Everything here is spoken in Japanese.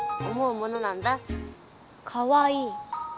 かわいい？